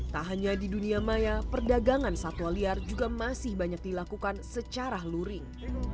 tak hanya di dunia maya perdagangan satwa liar juga masih banyak dilakukan secara luring